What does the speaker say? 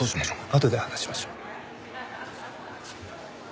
あとで話しましょう。